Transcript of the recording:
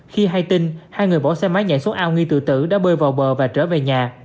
khi hay tin hai người bỏ xe máy nhảy xuống ao nghi tự tử đã bơi vào bờ và trở về nhà